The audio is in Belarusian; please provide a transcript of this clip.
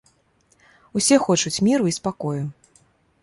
Усе хочуць міру і спакою.